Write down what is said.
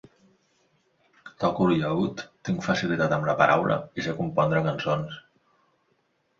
Toco el llaüt, tinc facilitat amb la paraula i sé compondre cançons.